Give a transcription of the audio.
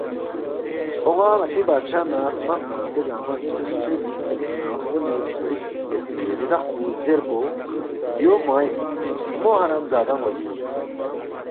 اون٘ا ن٘تی بادشاہ نہ ہرمق نہ دے گنگمہ سی خسیری فِڑِک نہ خمُولی فِڑِک یودپی ریدخ پو زیربو یو موانگ اِن، مو حرام زادان٘و اِن